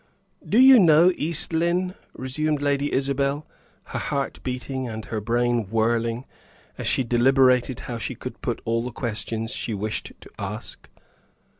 "Do you know East Lynne?" resumed Lady Isabel, her heart beating and her brain whirling, as she deliberated how she could put all the questions she wished to ask.